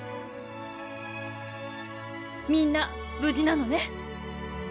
みんな無事なのね。